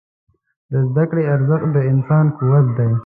د زده کړې ارزښت د انسان قوت دی.